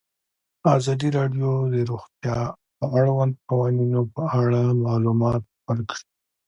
ازادي راډیو د روغتیا د اړونده قوانینو په اړه معلومات ورکړي.